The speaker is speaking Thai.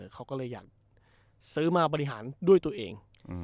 เขาก็เลยอยากซื้อมาบริหารด้วยตัวเอง